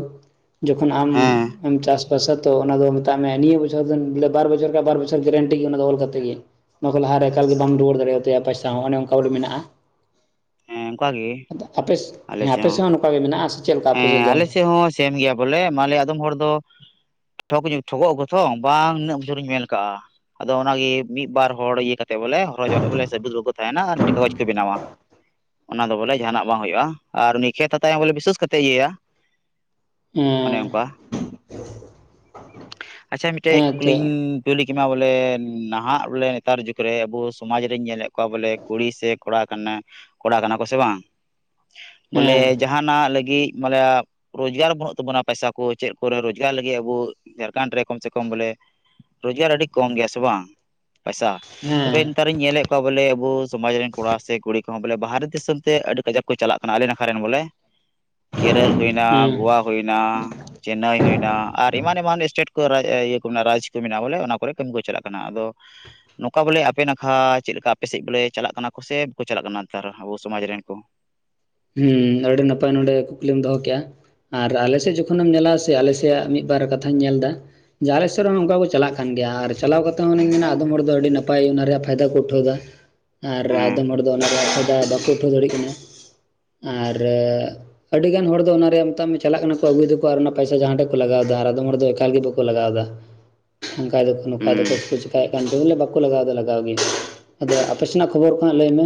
A: ᱡᱚᱠᱷᱚᱱ
B: ᱦᱮᱸ
A: ᱟᱢ ᱪᱟᱥ ᱯᱨᱚᱥᱛᱚ ᱚᱱᱟ ᱫᱚ ᱢᱮᱛᱟᱜ ᱢᱮ, ᱱᱤᱭᱟᱹ ᱵᱚᱪᱷᱚᱨ ᱵᱚᱞ ᱵᱟᱨ ᱵᱚᱪᱷᱚᱨ ᱵᱟᱨ ᱵᱚᱪᱷᱚᱨ ᱜᱮᱨᱮᱱᱴᱤ ᱜᱮ ᱚᱱᱟ ᱫᱚ ᱚᱞ ᱠᱟᱛᱮ ᱜᱮ᱾ ᱱᱚᱣᱟ ᱠᱚ ᱞᱟᱦᱟᱨᱮ ᱮᱠᱟᱞᱮᱢ ᱨᱩᱣᱟᱹᱲ ᱫᱟᱲᱮᱭᱟᱛᱟᱭᱟ ᱯᱚᱭᱥᱟ ᱦᱚᱸ, ᱚᱱᱮ ᱚᱱᱠᱟ ᱵᱚᱞᱮ ᱢᱮᱱᱟᱜᱼᱟ᱾
B: ᱦᱮᱸ ᱚᱱᱠᱟ ᱜᱮ
A: ᱟᱫᱚ ᱟᱯᱮ
B: ᱟᱞᱮ
A: ᱦᱮᱸ
B: ᱥᱮᱫ
A: ᱟᱯᱮᱥᱮᱫ ᱦᱚᱸ ᱱᱚᱝᱠᱟ ᱜᱮ ᱢᱮᱱᱟᱜᱼᱟ᱾ᱥᱮ ᱪᱮᱫᱠᱟ ᱟᱯᱮ ᱥᱮᱫ
B: ᱦᱮᱸ
A: ᱫᱚ?
B: ᱟᱞᱮ ᱦᱚᱸ ᱥᱮᱢ ᱜᱮᱭᱟ ᱵᱚᱞᱮ ᱢᱞᱮ ᱟᱫᱚᱢ ᱦᱚᱲ ᱫᱚ ᱴᱷᱚᱠᱚᱜ ᱴᱷᱚᱜᱚ ᱛᱚ ᱵᱟᱝ ᱱᱤᱱᱟᱹᱜ ᱩᱚᱪᱷᱚᱨᱤᱧ ᱢᱮᱱ ᱠᱟᱜᱼᱟ᱾ ᱟᱫᱚ ᱚᱱᱟᱜᱮ ᱢᱤᱫ ᱵᱟᱨ ᱦᱚᱲ ᱤᱭᱟᱹ ᱠᱟᱛᱮ ᱵᱚᱞᱮ ᱦᱚᱲ ᱡᱟ ᱵᱚᱞᱮ ᱥᱟᱹᱵᱩᱛ ᱵᱟᱠᱚ ᱛᱟᱦᱮᱱᱟ ᱟᱨ ᱢᱤᱫᱴᱮᱱ ᱠᱟᱜᱚᱡᱽ ᱠᱚ ᱵᱮᱱᱟᱣᱟ᱾ ᱚᱱᱟ ᱫᱚ ᱵᱚᱞᱮ ᱡᱟᱦᱟᱱᱟᱜ ᱵᱟᱝ ᱦᱩᱭᱩᱜᱼᱟ᱾ ᱟᱨ ᱩᱱᱤ ᱠᱷᱮᱛ ᱦᱟᱛ ᱦᱚᱸ ᱵᱚᱞᱮ ᱵᱤᱥᱮᱥ ᱠᱟᱛᱮᱫ ᱤᱭᱟᱹᱭᱟ ᱚᱱᱮ
A: ᱦᱮᱸ
B: ᱚᱱᱠᱟ ᱟᱪᱪᱷᱟ ᱢᱤᱫᱴᱮᱡ
A: ᱦᱮᱸ ᱮᱱᱛᱮᱫ
B: ᱠᱩᱠᱞᱤᱧ ᱠᱮᱢᱟ ᱵᱚᱞᱮ ᱱᱟᱦᱟᱜ ᱵᱚᱞᱮ ᱱᱮᱛᱟᱨ ᱡᱩᱜᱽ ᱨᱮ ᱟᱵᱚ ᱥᱚᱢᱟᱡᱽ ᱨᱮᱧ ᱧᱮᱞᱮᱫ ᱠᱚᱣᱟ ᱵᱚᱞᱮ ᱠᱩᱲᱤ ᱥᱮ ᱠᱚᱲᱟ ᱠᱟᱱᱟ ᱠᱚᱲᱟ ᱠᱟᱱᱟ ᱠᱚ ᱥᱮ ᱵᱟᱝ
A: ᱦᱮᱸ
B: ᱵᱚᱞᱮ ᱡᱟᱦᱟᱱᱟᱜ ᱞᱟᱹᱜᱤᱫ ᱜᱮ ᱢᱟᱱᱮ ᱨᱳᱡᱽᱜᱟᱨ ᱵᱟᱹᱱᱩᱜ ᱛᱟᱵᱚᱱᱟ ᱯᱚᱭᱥᱟ ᱠᱚ ᱪᱮᱫ ᱠᱚᱨᱮ ᱨᱚᱡᱽᱜᱟᱨ ᱞᱟᱹᱜᱤᱫ ᱟᱵᱚ ᱡᱷᱟᱲᱠᱷᱚᱸᱰ ᱨᱮ ᱠᱚᱢ ᱥᱮ ᱠᱚᱢ ᱵᱚᱞᱮ ᱨᱳᱡᱽᱜᱟᱨ ᱟᱹᱰᱤ ᱠᱚᱢ ᱜᱮᱭᱟ ᱥᱮ ᱵᱟᱝ ᱯᱚᱭᱥᱟ
A: ᱦᱮᱸ
B: ᱛᱚᱵᱮ ᱱᱮᱛᱟᱨ ᱤᱧ ᱧᱮᱞᱮᱫ ᱠᱚᱣᱟ ᱵᱚᱞᱮ ᱟᱵᱚ ᱥᱚᱢᱟᱡᱽ ᱨᱮᱱ ᱠᱚᱲᱟ ᱥᱮ ᱠᱩᱲᱤ ᱠᱚᱦᱚᱸ ᱵᱚᱞᱮ ᱵᱟᱨᱦᱮ ᱫᱤᱥᱚᱢ ᱛᱮ ᱟᱹᱰᱤ ᱠᱟᱡᱟᱠ ᱠᱚ ᱪᱟᱞᱟᱜ ᱠᱟᱱᱟ ᱟᱞᱮ ᱱᱟᱠᱷᱟ ᱨᱮᱱ ᱵᱚᱞᱮ᱾ ᱠᱮᱨᱚᱞ ᱦᱩᱭᱱᱟ,
A: ᱦᱮᱸ
B: ᱜᱳᱣᱟ ᱦᱩᱭᱱᱟ ᱪᱮᱱᱱᱟᱭ ᱦᱩᱭᱱᱟ ᱟᱨ ᱮᱢᱟᱱ, ᱮᱢᱟᱱ ᱮᱥᱴᱮᱴ ᱠᱚ ᱤᱭᱟᱹ ᱠᱚ ᱢᱮᱱᱟᱜᱼᱟ, ᱨᱟᱡᱽ ᱠᱚ ᱢᱮᱱᱟᱜᱼᱟ ᱵᱚᱞᱮ ᱚᱱᱟ ᱠᱚᱨᱮᱜ ᱠᱟᱹᱢᱤ ᱠᱚ ᱪᱟᱞᱟᱜ ᱠᱟᱱᱟ᱾ᱟᱫᱚ ᱱᱚᱝᱠᱟ ᱵᱚᱞᱮ ᱟᱯᱮ ᱱᱟᱠᱷᱟ ᱪᱮᱫ ᱞᱮᱠᱟ ᱟᱯᱮᱥᱮᱫ ᱵᱚᱞᱮ ᱪᱟᱞᱟᱜ ᱠᱟᱱᱟ ᱠᱚ ᱥᱮ ᱵᱟᱠᱚ ᱪᱟᱞᱟᱜ ᱠᱟᱱᱟ ᱱᱮᱛᱟᱨ ᱟᱵᱚ ᱥᱚᱢᱟᱡᱽ ᱨᱮᱱ ᱠᱚ
A: ᱦᱮᱸ᱾ᱟᱹᱰᱤ ᱱᱟᱯᱟᱭ ᱱᱚᱰᱮ ᱠᱩᱠᱞᱤᱢ ᱫᱚᱦᱚ ᱠᱮᱜᱼᱟ ᱟᱨ ᱟᱞᱮ ᱥᱮᱫ ᱡᱚᱠᱷᱚᱱᱮᱢ ᱧᱮᱞᱟ ᱥᱮ ᱟᱞᱮ ᱥᱮᱭᱟᱜ ᱢᱤᱫᱵᱟᱨ ᱠᱟᱛᱷᱟᱧ ᱧᱮᱞ ᱫᱟ ᱡᱟᱦᱟᱸᱞᱮ ᱥᱮᱫ ᱨᱮ ᱦᱚᱸ ᱚᱱᱠᱟ ᱠᱚ ᱪᱟᱞᱟᱜ ᱠᱟᱱ ᱜᱮᱭᱟ ᱟᱨ ᱪᱟᱞᱟᱣ ᱠᱟᱛᱮ ᱦᱚᱸᱧ ᱢᱮᱱᱟ ᱟᱫᱚᱢ ᱦᱚᱲ ᱫᱚ ᱟᱹᱰᱤ ᱱᱟᱯᱟᱭ ᱚᱱᱟ ᱨᱮᱭᱟᱜ ᱯᱷᱟᱭᱫᱟ ᱠᱚ ᱩᱴᱷᱟᱹᱣ ᱫᱟ ᱟᱨ
B: ᱦᱮᱸ
A: ᱟᱫᱚᱢ ᱦᱚᱲ ᱫᱚ ᱚᱱᱟᱨᱮ ᱯᱷᱟᱭᱫᱟ ᱵᱟᱠᱚ ᱩᱴᱷᱟᱹᱣ ᱫᱟᱲᱮᱜ ᱠᱟᱱᱟ᱾ ᱟᱨ ᱟᱹᱰᱤ ᱜᱟᱱ ᱦᱚᱲ ᱫᱚ ᱚᱱᱟᱨᱮ ᱢᱮᱛᱟᱜ ᱪᱟᱞᱟᱜ ᱠᱟᱱᱟ ᱠᱚ ᱟᱹᱜᱩᱭᱮᱫᱟᱠᱚ ᱟᱨ ᱚᱱᱟ ᱯᱚᱭᱥᱟ ᱡᱟᱦᱟᱸᱴᱷᱮᱱ ᱠᱚ ᱞᱟᱜᱟᱣ ᱫᱟ ᱟᱨ ᱟᱫᱚᱢ ᱦᱚᱲ ᱫᱚ ᱮᱠᱟᱞ ᱜᱮ ᱵᱟᱠᱚ ᱞᱟᱜᱟᱣ ᱫᱟ᱾
B: *inaudible*
A: ᱱᱚᱝᱠᱟ ᱫᱚᱠᱚ ᱱᱚᱝᱠᱟ ᱫᱚᱠᱚ
B: ᱦᱩᱸ
A: ᱠᱷᱩᱡᱼᱟ ᱪᱮᱠᱟᱭᱮᱫ ᱠᱟᱱ ᱫᱚ ᱵᱚᱞᱮ ᱵᱟᱠᱚ ᱞᱟᱜᱟᱣ ᱞᱟᱜᱟᱣ ᱜᱮ᱾ ᱟᱫᱚ ᱟᱯᱮᱥᱮᱱᱟᱜ ᱠᱷᱚᱵᱚᱨ ᱠᱚ ᱦᱟᱸᱜ ᱞᱟᱹᱭ ᱢᱮ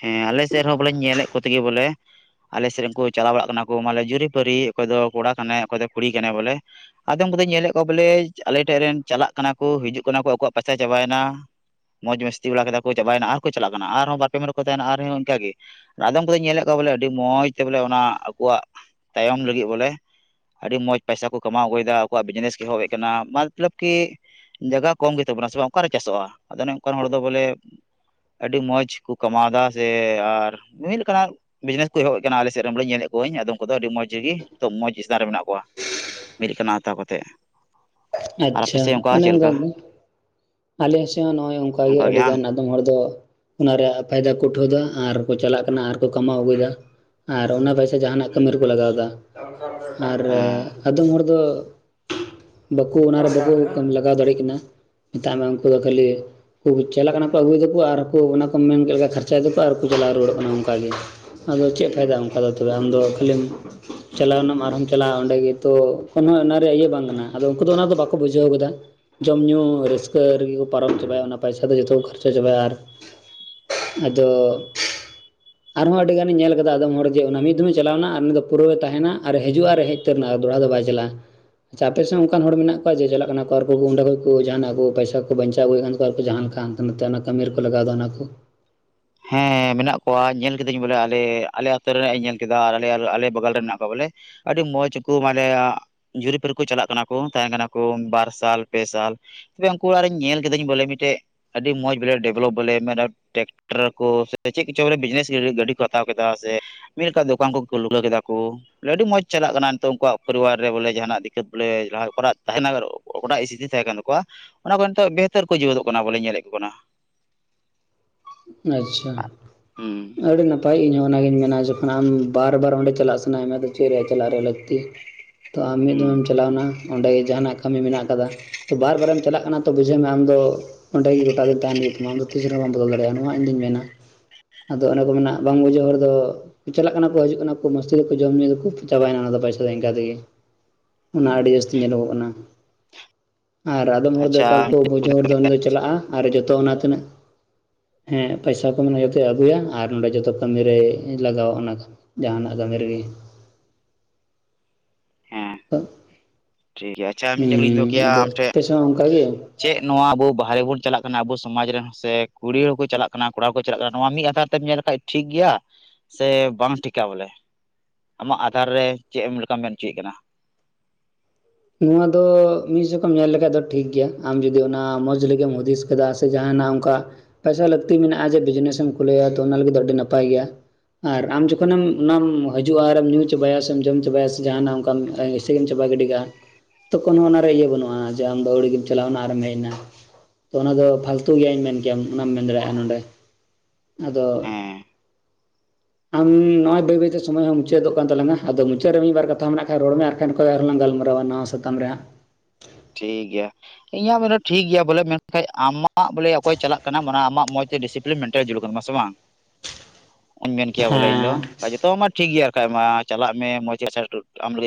B: ᱦᱮᱸ ᱟᱞᱮᱥᱮᱫ ᱨᱮᱦᱚᱸ ᱵᱚᱞᱮᱧ ᱧᱮᱞᱮᱫ ᱠᱚ ᱛᱮᱜᱮ ᱵᱚᱞᱮ ᱟᱞᱮ ᱥᱮᱫ ᱨᱮᱱ ᱠᱚ ᱪᱟᱞᱟᱣ ᱵᱟᱲᱟᱜ ᱠᱟᱱᱟ ᱠᱚ ᱢᱟᱱᱮ ᱡᱩᱨᱤᱯᱟᱹᱨᱤ ᱚᱠᱚᱭ ᱫᱚ ᱠᱚᱲᱟ ᱠᱟᱱᱟᱭ ᱚᱠᱚᱭ ᱫᱚ ᱠᱩᱲᱤ ᱠᱟᱱᱟᱭ ᱵᱚᱞᱮ ᱟᱫᱚᱢ ᱠᱚᱫᱚ ᱧᱮᱞᱮᱫ ᱠᱚᱣᱟ ᱵᱚᱞᱮ ᱟᱞᱮ ᱴᱷᱮᱱ ᱨᱮᱱ ᱪᱟᱞᱟᱜ ᱠᱟᱱᱟ ᱠᱚ ᱦᱤᱡᱩᱜ ᱠᱟᱱᱟ ᱠᱚ ᱟᱠᱚᱣᱟᱜ ᱯᱟᱭᱥᱟ ᱪᱟᱵᱟᱭ ᱱᱟ ᱢᱚᱡᱽ ᱢᱟᱥᱛᱤ ᱵᱟᱲᱟ ᱠᱮᱫᱟ ᱠᱚ ᱪᱟᱵᱟᱭ ᱱᱟ ᱟᱨ ᱠᱚ ᱪᱟᱞᱟᱜ ᱠᱟᱱᱟ ᱟᱨ ᱦᱚ ᱵᱟᱨ ᱯᱮ ᱢᱟ ᱠᱚ ᱛᱟᱦᱮᱱᱟ ᱟᱨᱦᱚ ᱚᱱᱠᱟᱜᱮ ᱟᱫᱚᱢ ᱠᱚᱫᱚᱧ ᱧᱮᱞᱮᱫ ᱠᱚᱣᱟ ᱵᱚᱞᱮ ᱟᱹᱰᱤ ᱢᱚᱸᱡᱽ ᱛᱮ ᱵᱚᱞᱮ ᱚᱱᱟ ᱟᱠᱚᱣᱟᱜ ᱛᱟᱭᱚᱢ ᱞᱟᱹᱜᱤᱫ ᱵᱚᱞᱮ ᱟᱹᱰᱤ ᱢᱚᱡᱽ ᱯᱚᱭᱥᱟ ᱠᱚ ᱠᱟᱢᱟᱣ ᱟᱹᱜᱩᱭᱮᱫᱟ ᱟᱠᱚᱣᱟᱜ ᱵᱤᱡᱽᱱᱮᱥ ᱮᱦᱚᱵᱮᱫ ᱠᱟᱱᱟ ᱢᱟᱛᱞᱟᱵ ᱠᱤ ᱡᱟᱭᱜᱟ ᱠᱚᱢ ᱜᱮᱛᱟ ᱵᱚᱱᱟ ᱥᱮ ᱵᱟᱝ ᱚᱠᱟᱨᱮ ᱪᱟᱥᱚᱜᱼᱟ? ᱟᱫᱚ ᱚᱱᱠᱟᱱ ᱦᱚᱲ ᱫᱚ ᱵᱚᱞᱮ ᱟᱹᱰᱤ ᱢᱚᱸᱡᱽ ᱠᱩ ᱠᱟᱢᱟᱣᱫᱟ ᱥᱮ ᱟᱨ ᱢᱤᱢᱤᱫ ᱞᱮᱠᱟᱱᱟᱜ ᱵᱤᱡᱽᱱᱮᱥ ᱠᱚ ᱮᱦᱚᱵ ᱮᱫ ᱠᱟᱱᱟ᱾ᱟᱞᱮᱥᱮᱫ ᱨᱮᱱ ᱵᱚᱞᱮ ᱧᱮᱞᱮᱫ ᱠᱚᱣᱟᱧ ᱟᱫᱚᱢ ᱠᱚᱫᱚ ᱟᱹᱰᱤ ᱢᱚᱸᱡᱽ ᱜᱮᱜᱚ ᱮᱠᱫᱚᱢ ᱢᱚᱸᱡᱽ ᱮᱥᱛᱷᱟᱱ ᱨᱮ ᱢᱮᱱᱟᱜ ᱠᱚᱣᱟ᱾ ᱢᱤᱫ ᱞᱮᱠᱟᱱᱟᱜ ᱦᱟᱛᱟᱣ ᱠᱟᱛᱮ
A: ᱟᱪᱪᱷᱟ ᱚᱱᱮ ᱚᱱᱠᱟ ᱜᱮ ᱟᱞᱮ ᱥᱮᱫ ᱦᱚᱸ ᱱᱚᱜ- ᱚᱭ ᱚᱱᱠᱟᱜᱮ
B: ᱚᱱᱠᱟ ᱜᱮ
A: ᱟᱹᱰᱤ
B: ᱵᱟᱝ
A: ᱜᱟᱱ ᱟᱫᱚᱢ ᱦᱚᱲ ᱫᱚ ᱚᱱᱟ ᱨᱮᱭᱟᱜ ᱯᱷᱟᱭᱫᱟ ᱠᱚ ᱩᱴᱷᱟᱹᱣᱫᱟ ᱟᱨᱠᱚ ᱪᱟᱞᱟᱜ ᱠᱟᱱᱟ ᱟᱨ ᱠᱚ ᱠᱟᱢᱟᱣ ᱟᱹᱜᱩᱭ ᱫᱟ᱾ ᱟᱨ ᱚᱱᱟ ᱯᱚᱭᱥᱟ ᱡᱟᱦᱟᱱᱟᱜ ᱠᱟᱹᱢᱤ
B: ᱦᱮᱸ
A: ᱨᱮᱠᱚ ᱞᱟᱜᱟᱣ ᱫᱟ ᱟᱨ ᱟᱫᱚᱢ ᱦᱚᱲ ᱫᱚ ᱵᱟᱠᱚ ᱚᱱᱟᱨᱮ ᱵᱟᱠᱚ ᱞᱟᱜᱟᱣ ᱫᱟᱲᱮᱜ ᱠᱟᱱᱟ᱾ ᱢᱮᱛᱟᱜ ᱢᱮ ᱩᱱᱠᱩ ᱫᱚ ᱠᱷᱟᱹᱞᱤ ᱠᱩ ᱪᱟᱞᱟ ᱠᱟᱱᱟ ᱠᱚ ᱟᱜᱩᱭ ᱫᱟᱠᱚ ᱟᱨ ᱠᱚ ᱚᱱᱟ ᱠᱚ ᱢᱮᱱ ᱠᱮᱫ ᱞᱮᱠᱟ ᱠᱷᱟᱨᱪᱟᱭ ᱮᱫᱟᱠᱚ ᱟᱨᱠᱚ ᱪᱟᱞᱟᱣ ᱨᱩᱣᱟᱹᱲᱚᱜ ᱠᱟᱱᱟ ᱚᱱᱠᱟᱜ ᱜᱮ ᱟᱫᱚ ᱪᱮᱫ
B: ᱦᱮᱸ
A: ᱯᱷᱟᱭᱫᱟ ᱚᱱᱠᱟ ᱫᱚ ᱛᱚᱵᱮ ᱟᱢᱫᱚ ᱠᱷᱟᱹᱞᱤᱢ ᱪᱟᱞᱟᱣᱱᱟ ᱟᱨᱦᱚᱢ ᱪᱟᱞᱟᱜᱼᱟ ᱚᱸᱰᱮ ᱜᱮ ᱛᱚ ᱠᱚᱱᱚ ᱮᱱᱟ ᱨᱮᱭᱟᱜ ᱤᱭᱟᱹ ᱵᱟᱝ ᱠᱟᱱᱟ ᱟᱫᱚ ᱩᱱᱠᱩ ᱫᱚ ᱚᱱᱟ ᱫᱚ ᱵᱟᱠᱚ ᱵᱩᱡᱷᱟᱹᱣ ᱠᱟᱫᱟ ᱡᱚᱢ ᱧᱩ ᱨᱟᱹᱥᱠᱟᱹ ᱨᱮᱜᱮ ᱠᱚ ᱯᱟᱨᱚᱢ ᱪᱟᱵᱟᱭᱟ ᱚᱱᱟ ᱯᱟᱭᱥᱟ ᱫᱚ ᱡᱚᱛᱚ ᱠᱚ ᱠᱷᱚᱨᱪᱟ ᱪᱟᱵᱟᱭᱟ ᱟᱨ ᱟᱫᱚ ᱟᱨᱦᱚᱸ ᱟᱹᱰᱤ ᱜᱟᱱᱤᱧ ᱧᱮᱞ ᱠᱟᱫᱟ ᱟᱫᱚᱢ ᱦᱚᱲ ᱡᱮ ᱚᱱᱮ ᱢᱤᱫ ᱫᱷᱚᱢ ᱮ ᱪᱟᱞᱟᱣ ᱮᱱᱟ ᱟᱨ ᱩᱱᱤ ᱫᱚ ᱯᱩᱨᱟᱹ ᱛᱟᱦᱮᱱᱟ ᱟᱨ ᱦᱤᱡᱩᱜ ᱟᱨ ᱦᱮᱡ *inaudible* ᱫᱚᱲᱦᱟ ᱫᱚ ᱵᱟᱭ ᱪᱟᱞᱟᱜ-ᱟ ᱟᱯᱮ ᱥᱮ ᱚᱱᱠᱟᱱ ᱦᱚᱲ ᱢᱮᱱᱟᱜ ᱠᱚᱣᱟ ᱡᱮ ᱪᱟᱞᱟᱜ ᱠᱟᱱᱟ ᱠᱚ ᱟᱨᱠᱚ *unintelligible* ᱠᱚ ᱡᱟᱦᱟᱱᱟᱜ ᱠᱚ ᱯᱟᱭᱥᱟ ᱠᱚ ᱵᱟᱧᱪᱟᱣ ᱟᱹᱜᱩᱭᱮᱫ ᱠᱟᱱ ᱛᱟᱠᱚᱣᱟ ᱟᱨᱠᱚ ᱡᱟᱦ ᱞᱮᱠᱟᱱ ᱱᱚᱛᱮ ᱚᱱᱟ ᱠᱟᱹᱢᱤ ᱨᱮᱠᱚ ᱞᱟᱜᱟᱣ ᱫᱟ ᱚᱱᱟ ᱠᱚ
B: ᱦᱮᱸ ᱢᱮᱱᱟᱜ ᱠᱚᱣᱟ ᱧᱮᱞ ᱠᱤᱫᱟᱹᱧ ᱵᱚᱞᱮ ᱟᱞᱮ ᱟᱞᱮ ᱟᱛᱳ ᱨᱮᱱᱟᱜ ᱤᱧ ᱧᱮᱞ ᱠᱮᱫᱟ ᱟᱞᱮ ᱵᱟᱜᱟᱞ ᱨᱮ ᱢᱮᱱᱟᱜ ᱠᱚᱣᱟ ᱵᱚᱞᱮ ᱟᱹᱰᱤ ᱢᱚᱸᱡᱽ ᱠᱚ ᱢᱟᱞᱮᱭᱟ ᱡᱩᱨᱤᱯᱟᱨᱤ ᱠᱚ ᱪᱟᱞᱟᱜ ᱠᱟᱱᱟ ᱠᱚ ᱛᱟᱦᱮᱱ ᱠᱟᱱᱟ ᱠᱚ ᱵᱟᱨ ᱥᱟᱞ ᱯᱮ ᱥᱟᱞ ᱛᱚᱵᱮ ᱩᱱᱠᱩ ᱚᱲᱟᱜ ᱨᱮ ᱧᱮᱞ ᱠᱤᱫᱟᱹᱧ ᱵᱚᱞᱮ ᱢᱤᱫᱴᱮᱡ ᱟᱹᱰᱤ ᱢᱚᱸᱡᱽ ᱵᱚᱞᱮ ᱰᱮᱵᱷᱞᱚᱯ ᱵᱚᱞᱮ ᱴᱨᱟᱠ ᱠᱚ ᱥᱮ ᱪᱮᱫ ᱠᱚᱪᱚ ᱵᱤᱡᱽᱱᱮᱥ ᱜᱟᱹᱰᱤ ᱠᱚ ᱦᱟᱛᱟᱣ ᱠᱮᱫᱟ ᱥᱮ ᱢᱤᱫ ᱞᱮᱠᱟ ᱫᱚᱠᱟᱱ ᱠᱚ *inaudible* ᱠᱮᱫᱟ ᱠᱚ ᱵᱚᱞᱮ ᱟᱹᱰᱤ ᱢᱚᱡᱽ ᱪᱟᱞᱟᱜ ᱠᱟᱱᱟ ᱱᱤᱛᱚᱜ ᱩᱱᱠᱩᱣᱟᱜ ᱯᱚᱨᱤᱵᱟᱨ ᱨᱮ ᱵᱚᱞᱮ ᱡᱟᱦᱟᱱᱟᱜ ᱫᱤᱠᱟᱹᱛ ᱵᱚᱞᱮ *inaudible* ᱚᱠᱟᱴᱟᱜ ᱤᱥ ᱛᱷᱤᱫᱤ ᱛᱟᱦᱮᱸ ᱠᱟᱱ ᱛᱟᱠᱚᱣᱟ ᱚᱱᱟ ᱠᱚ ᱱᱤᱛᱚᱜ ᱵᱮᱦᱛᱟᱨ ᱠᱚ *unintelligible* ᱟᱟ ᱧᱮᱞᱮᱫ ᱠᱚ ᱠᱟᱱᱟ
A: ᱟᱪᱪᱷᱟ
B: ᱦᱩᱸ
A: ᱟᱹᱰᱤ ᱱᱟᱯ ᱛᱚ ᱤᱧ ᱦᱚ ᱚᱱᱟᱜᱤᱧ ᱢᱮᱱᱟ ᱡᱚᱠᱷᱚᱱ ᱟᱢ ᱵᱟᱨ ᱵᱟᱨ ᱚᱸᱰᱮ ᱪᱟᱞᱟᱜ ᱥᱟᱱᱟᱭᱮᱫ ᱢᱮᱭᱟ ᱟᱫᱚ ᱪᱮᱫ ᱨᱮᱭᱟᱜ ᱪᱟᱞᱟᱜ ᱨᱮᱭᱟᱜ ᱞᱟᱹᱠᱛᱤ ᱛᱚ ᱟᱢ ᱢᱤᱫ ᱫᱤᱱ
B: ᱦᱩᱸ
A: ᱮᱢ ᱪᱟᱞᱟᱣ ᱮᱱᱟ ᱚᱸᱰᱮ ᱡᱟᱦᱟ ᱱᱟᱜ ᱠᱟᱢᱤ ᱢᱮᱱᱟᱜ ᱟᱠᱟᱫᱟ ᱛᱚ ᱵᱟᱨ ᱵᱟᱨᱮᱢ ᱪᱟᱞᱟᱜ ᱠᱟᱱᱟ ᱛᱚ ᱵᱩᱡᱷᱟᱹᱣ ᱢᱮ ᱟᱢ ᱫᱚ ᱚᱸᱰᱮ ᱜᱮ ᱜᱚᱴᱟ ᱫᱤᱱ ᱛᱟᱦᱮᱱ ᱦᱩᱭᱩᱜ ᱛᱟᱢᱟ ᱟᱫᱚ ᱛᱤᱥ ᱨᱮᱦᱚ ᱵᱟᱢ ᱵᱚᱫᱚᱞ ᱫᱟᱲᱮᱭᱟᱜ ᱱᱚᱣᱟ ᱤᱧᱫᱩᱧ ᱢᱮᱱᱟ ᱟᱫᱚ ᱚᱱᱮ ᱠᱚ ᱢᱮᱱᱟ ᱵᱟᱝ ᱵᱩᱡᱷᱟᱹᱜ ᱦᱚᱲ ᱫᱚ ᱪᱟᱞᱟᱜ ᱠᱟᱱᱟ ᱠᱚ ᱦᱤᱡᱩᱜ ᱠᱟᱱᱟ ᱠᱚ ᱢᱟᱥᱛᱤ ᱫᱟᱠᱚ ᱡᱚᱢ ᱧᱩᱩ ᱫᱟᱠᱚ ᱪᱟᱵᱟᱭᱮᱱᱟ ᱚᱱᱟ ᱫᱚ ᱯᱚᱭᱥᱟ ᱫᱚ ᱤᱱᱠᱟ ᱛᱮᱜᱮ ᱚᱱᱟ
B: ᱦᱩᱸ
A: ᱟᱹᱰᱤ ᱡᱟᱹᱥᱛᱤ ᱧᱮᱞᱚᱜᱚᱜ ᱠᱟᱱᱟ ᱟᱨ ᱟᱫᱚᱢ ᱦᱚᱲ ᱫᱚ *unintelligible*
B: ᱟᱪᱪᱷᱟ
A: ᱪᱟᱞᱟᱜᱼᱟ ᱟᱨ ᱡᱚᱛᱚ ᱚᱱᱟ ᱛᱤᱱᱟᱹᱜ ᱦᱮᱸ ᱯᱚᱭᱥᱟ ᱠᱚ ᱢᱟᱱᱮ ᱡᱟᱛᱮ ᱟᱹᱜᱩᱭᱟ ᱟᱨ ᱱᱚᱰᱮ ᱡᱚᱛᱚ ᱠᱟᱹᱢᱤᱨᱮ ᱞᱟᱜᱟᱣᱟ ᱚᱱᱟ ᱡᱟᱦᱟᱱᱟᱜ ᱠᱟᱹᱢᱤ ᱨᱮᱜᱮ
B: ᱦᱮᱸ ᱴᱷᱤᱠ ᱜᱮᱭᱟ ᱟᱪᱪᱷᱟ
A: ᱦᱩᱸ
B: ᱢᱤᱫᱴᱮᱡ ᱠᱩᱠᱞᱤᱧ ᱫᱚᱦᱚ ᱠᱮᱭᱟ
A: ᱟᱫᱚ
B: ᱟᱢ ᱴᱷᱮᱡ
A: ᱟᱯᱮᱥᱮᱫ ᱦᱚ ᱚᱱᱠᱟᱜᱮ
B: ᱪᱮᱫ ᱱᱚᱣᱟ ᱟᱵᱚ ᱵᱟᱦᱨᱮ ᱵᱚᱱ ᱪᱟᱞᱟᱜ ᱠᱟᱱᱟ ᱟᱵᱚ ᱥᱚᱢᱟᱡᱽ ᱨᱮᱱ ᱥᱮ ᱠᱩᱲᱤ ᱦᱚᱸᱠᱚ ᱪᱟᱞᱟᱜ ᱠᱟᱱᱟ ᱠᱚᱲᱟ ᱦᱚᱸᱠᱚ ᱪᱟᱞᱟᱜ ᱠᱟᱱᱟ ᱱᱚᱣᱟ ᱢᱤᱫ ᱟᱛᱷᱟᱨ ᱧᱮᱞ ᱞᱮᱠᱷᱟᱱ ᱴᱷᱤᱠ ᱜᱮᱭᱟ ᱥᱮ ᱵᱟᱝ ᱴᱷᱤᱠᱟ ᱵᱚᱞᱮ? ᱟᱢᱟᱜ ᱟᱫᱷᱟᱨ ᱨᱮ ᱪᱮᱫ ᱮᱢ ᱞᱮᱠᱟᱢ ᱢᱮᱱ ᱚᱪᱚᱭᱮᱫ ᱠᱟᱱᱟ?
A: ᱱᱚᱣᱟ ᱫᱚ ᱢᱤᱫ ᱥᱮᱫ ᱠᱷᱚᱱ ᱧᱮᱞ ᱞᱮᱠᱷᱟᱱ ᱫᱚ ᱴᱷᱤᱠᱜᱮᱭᱟ ᱟᱢ ᱡᱩᱚᱫᱤ ᱚᱱᱟ ᱢᱚᱸᱡᱽ ᱞᱟᱹᱜᱤᱫ ᱮᱢ ᱦᱩᱫᱤᱥ ᱪᱮᱫᱟᱜ ᱥᱮ ᱡᱟᱦᱱᱟᱜ ᱚᱱᱠᱟ ᱯᱚᱭᱥᱟ ᱞᱟᱹᱠᱛᱤ ᱢᱮᱱᱟᱜᱼᱟ ᱡᱮ ᱵᱤᱡᱽᱱᱮᱥ ᱮᱢ ᱠᱷᱩᱞᱟᱹᱭᱟ ᱛᱚ ᱚᱱᱟ ᱞᱟᱹᱜᱤᱫ ᱫᱚ ᱟᱹᱰᱤ ᱱᱟᱯᱟᱭ ᱜᱮᱭᱟ ᱟᱨ ᱟᱢ ᱡᱚᱠᱷᱚᱱᱮᱢ ᱚᱱᱟᱢ ᱦᱤᱡᱩᱜᱼᱟ ᱟᱨ ᱮᱢ ᱧᱩ ᱪᱟᱵᱟᱭᱟ ᱥᱮᱢ ᱡᱚᱢ ᱪᱟᱵᱟᱭᱟ ᱥᱮ ᱡᱟᱦᱟᱱᱟᱜ ᱚᱱᱠᱟᱢ ᱥᱮᱵᱤᱱ ᱪᱟᱵᱟ ᱜᱤᱰᱤᱠᱟᱜ-ᱟ ᱛᱚ ᱠᱳᱱᱳ ᱚᱱᱟᱨᱮ ᱤᱭᱟᱹ ᱵᱟᱹᱱᱩᱜᱼᱟ ᱡᱮ ᱟᱢᱫᱚ ᱟᱹᱣᱲᱤ ᱜᱮᱢ ᱪᱟᱞᱟᱣᱱᱟ ᱟᱨᱮᱢ ᱦᱮᱡ ᱮᱱᱟ ᱛᱚ ᱚᱱᱟ ᱫᱚ ᱯᱷᱟᱞᱛᱩ ᱜᱮᱭᱟᱧ ᱢᱮᱱ ᱠᱮᱭᱟ ᱚᱱᱟᱢ ᱢᱮᱱ ᱫᱟᱲᱮᱭᱟᱜᱼᱟ ᱱᱚᱰᱮ ᱟᱫᱚ
B: ᱦᱮᱸ
A: ᱟᱢ ᱱᱚᱜᱼᱚᱭ ᱵᱟᱹᱭ ᱵᱟᱹᱭᱛᱮ ᱥᱚᱢᱚᱭ ᱦᱚᱸ ᱢᱩᱪᱟᱹᱫᱚᱜ ᱠᱟᱱ ᱛᱟᱞᱟᱝᱟ ᱟᱫᱚ ᱢᱩᱪᱟᱹᱫ ᱨᱮ ᱢᱤᱫᱵᱟᱨ ᱢᱮᱱᱟᱜ ᱠᱷᱟᱱ ᱨᱚᱲ ᱢᱮ ᱟᱨᱠᱷᱟᱱ ᱟᱨᱚᱸᱞᱟᱝ ᱜᱟᱞᱢᱟᱨᱟᱣ *inaudible* ᱱᱟᱣᱟ ᱥᱟᱛᱟᱢ ᱨᱮ ᱦᱟᱜ
B: ᱴᱷᱤᱠ ᱜᱮᱭᱟ ᱤᱧ ᱟᱜ ᱵᱚᱞᱮ ᱴᱷᱤᱠ ᱜᱮᱭᱟ ᱵᱚᱞᱮ ᱢᱮ ᱠᱷᱟᱡ ᱟᱢᱟᱜ ᱵᱚᱞᱮ ᱚᱠᱚᱭ ᱪᱟᱞᱟᱜ ᱠᱟᱱᱟ ᱢᱟᱱᱮ ᱟᱢᱟᱜ ᱢᱚᱸᱡᱽ ᱛᱮ ᱰᱮᱥᱤᱯᱞᱤᱱ ᱢᱮᱱᱴᱮᱱ ᱡᱟᱹᱨᱩᱲ ᱠᱟᱱᱟ ᱥᱮ ᱵᱟᱝ? ᱱᱚᱜᱧ ᱢᱮᱱ ᱠᱮᱭᱟ ᱵᱚᱞᱮ ᱤᱧ ᱫᱚ
A: ᱦᱮᱸ
B: ᱡᱚᱛᱚ ᱢᱟ ᱴᱷᱤᱠ ᱜᱮᱭᱟ ᱟᱨᱠᱟᱡ ᱢᱟ ᱪᱟᱞᱟᱜ ᱢᱮ ᱢᱚᱡᱽ ᱜᱮ ᱟᱢ ᱞᱟᱹᱜᱤᱫ